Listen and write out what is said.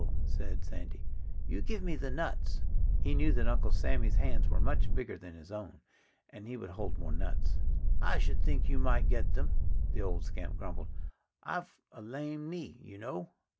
said Sandy. "You give me the nuts." He knew that Uncle Sammy's hands were much bigger than his own and would hold more nuts. "I should think you might get them," the old scamp grumbled. "I've a lame knee, you know."